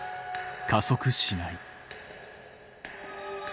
加速しない。